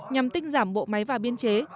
nhằm tinh giảm bộ máy và biên chế